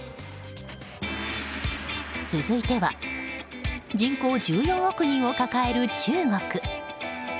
続いては人口１４億人を抱える中国。